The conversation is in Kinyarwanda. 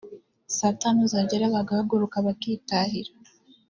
saa tanu zagera bagahaguruka bakitahira